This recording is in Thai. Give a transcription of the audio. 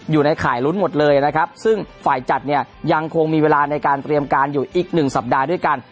อยู่ในข่ายลุ้นหมดเลยนะครับซึ่งฝ่ายจัดเนี่ยยังคงมีเวลาในการเตรียมการอยู่อีกหนึ่งสัปดาห์ด้วยกัน